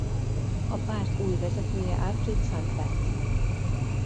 A párt új vezetője Alfred Sant lett.